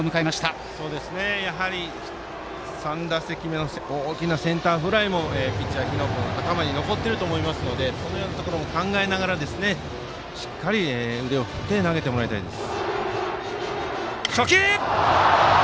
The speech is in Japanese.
３打席目の大きなセンターフライもピッチャーの日野君は頭に残っていると思うのでそういうところも考えながらしっかり腕を振って投げてもらいたいです。